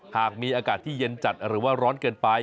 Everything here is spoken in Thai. หากมีอากาศที่เย็นจัดหรือว่าร้อนเกินไป